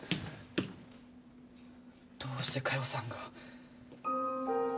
どうして加代さんが。